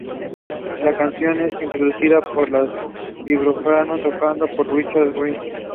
La canción es introducida por un vibráfono tocado por Richard Wright.